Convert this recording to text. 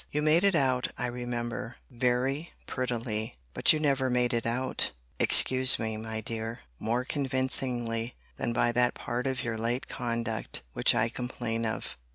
You made it out, I remember, very prettily: but you never made it out, excuse me, my dear, more convincingly, than by that part of your late conduct, which I complain of.